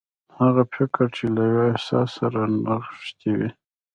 هغه فکر چې له يوه احساس سره نغښتي وي.